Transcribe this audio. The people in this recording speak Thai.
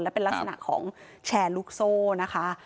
และเป็นลักษณะของแชร์ลูกโซ่นะคะ